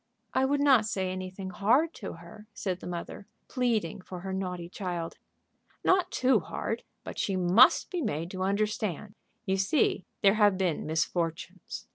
"I would not say anything hard to her," said the mother, pleading for her naughty child. "Not too hard, but she must be made to understand. You see there have been misfortunes.